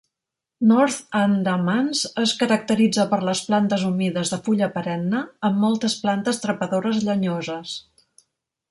North Andamans es caracteritza per les plantes humides de fulla perenne, amb moltes plantes trepadores llenyoses.